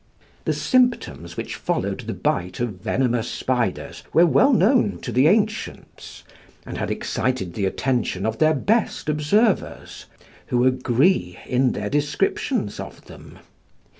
The symptoms which followed the bite of venomous spiders were well known to the ancients, and had excited the attention of their best observers, who agree in their descriptions of them.